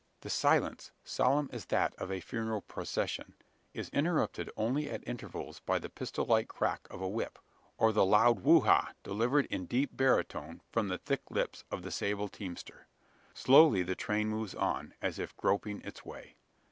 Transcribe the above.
The silence solemn as that of a funereal procession is interrupted only at intervals by the pistol like crack of a whip, or the loud "wo ha," delivered in deep baritone from the thick lips of some sable teamster. Slowly the train moves on, as if groping its way.